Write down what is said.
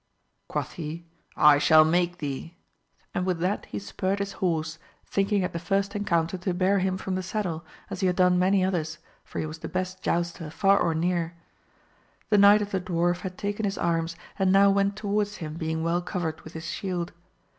Quoth he, I shall make thee, and with that he spurred his horse, thinking at the first encounter to bear him from the saddle, as he had done many otliers, for he was the best j ouster far or near. The knight of the dwarf had taken his arms, and now went towards him being well covered with his shield.